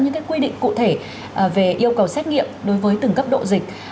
những quy định cụ thể về yêu cầu xét nghiệm đối với từng cấp độ dịch